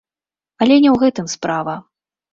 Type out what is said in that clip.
Але не ў гэтым справа.